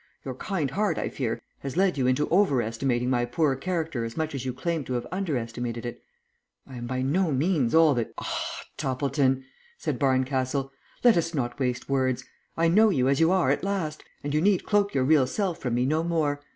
Your kind heart, I fear, has led you into over estimating my poor character as much as you claim to have under estimated it. I am by no means all that " "Ah, Toppleton!" said Barncastle, "let us not waste words. I know you as you are at last, and you need cloak your real self from me no more.